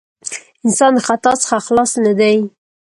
انسان د خطاء څخه خلاص نه دی.